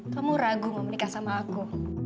kamu ragu mau menikah sama aku